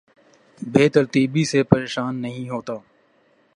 بے ترتیبی سے پریشان نہیں ہوتا